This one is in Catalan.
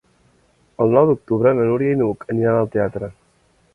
El nou d'octubre na Núria i n'Hug aniran al teatre.